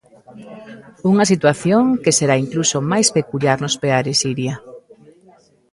Unha situación que será incluso máis peculiar nos Peares, Iria.